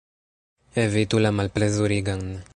Evitu la malplezurigan!